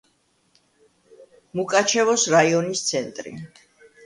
მუკაჩევოს რაიონის ცენტრი.